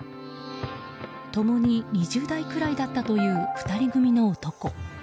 共に２０代くらいだったという２人組の男。